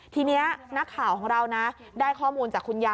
ทีนี้นักข่าวของเรานะได้ข้อมูลจากคุณยาย